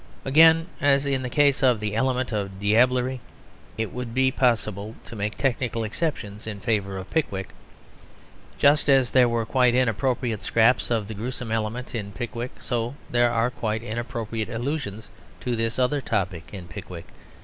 Again, as in the case of the element of diablerie, it would be possible to make technical exceptions in favour of Pickwick. Just as there were quite inappropriate scraps of the gruesome element in Pickwick, so there are quite inappropriate allusions to this other topic in Pickwick.